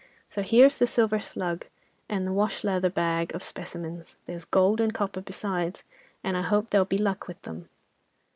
So here's the silver "slug," and the wash leather bag of specimens, there's gold and copper besides, and I hope there'll be luck with them.